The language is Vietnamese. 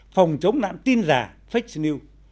phòng chống nạn tin giả fake news